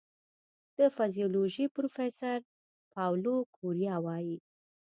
د فزیولوژي پروفېسور پاولو کوریا وايي